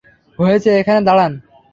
হয়েছে এখানে দাঁড়ান।